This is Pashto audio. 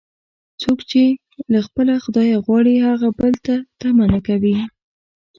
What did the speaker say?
څوک یې چې له خپله خدایه غواړي، هغه بل ته طمعه نه کوي.